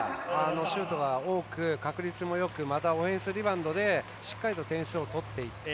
シュートが多く、確率もよくまた、オフェンスリバウンドでしっかりと点数を取っていった。